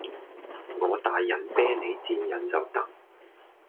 我大人睥你賤人就得